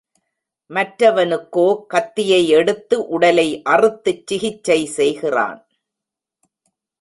மற்றவனுக்கோ கத்தியை எடுத்து உடலை அறுத்துச் சிகிச்சை செய்கிறான்.